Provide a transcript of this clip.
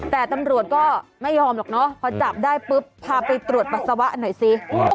แต่ตำรวจก็ไม่ยอมหรอกเนอะพอจับได้ปุ๊บพาไปตรวจปัสสาวะหน่อยสิ